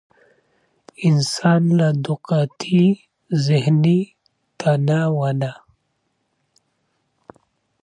انسان له د وقتي ذهني تناو نه